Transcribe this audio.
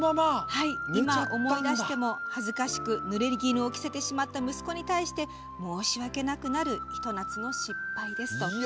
今、思い出しても恥ずかしくぬれぎぬを着せてしまった申し訳なくなる「ひと夏の失敗」ですと。